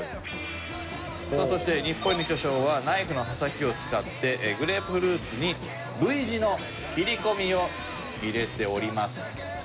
さあそして日暮里の巨匠はナイフの刃先を使ってグレープフルーツにＶ字の切り込みを入れております。